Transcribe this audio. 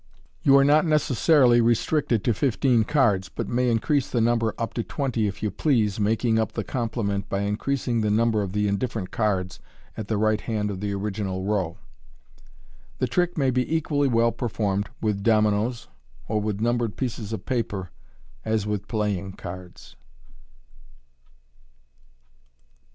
You are not necessarily restricted to fifteen cards, but may increase the number up to twenty if you please, making up the complement by increasing the number of the indifferent cards at the right hand of the original row. The trick may be equally well performed with dominoes, or with cumbered pieces of paper, as with playing cards.